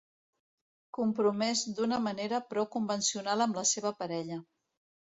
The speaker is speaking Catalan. Compromès d'una manera prou convencional amb la seva parella.